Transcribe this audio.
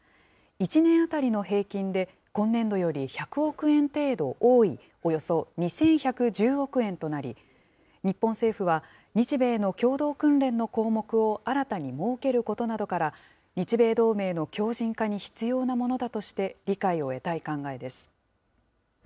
１年当たりの平均で、今年度より１００億円程度多いおよそ２１１０億円となり、日本政府は日米の共同訓練の項目を新たに設けることなどから、日米同盟の強じん化に必要なものだとして理解を得たい考えです。